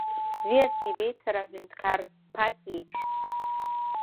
Бзиа сибеит сара аҳәынҭқар, ԥак иеиԥш.